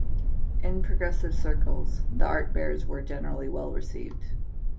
In "progressive" circles, the Art Bears were generally well received.